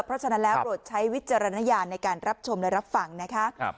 เพราะฉะนั้นแล้วโปรดใช้วิจารณญาณในการรับชมและรับฟังนะคะ